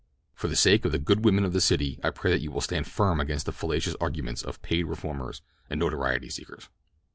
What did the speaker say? For the sake of the good women of the city I pray that you will stand firm against the fallacious arguments of paid reformers and notoriety seekers."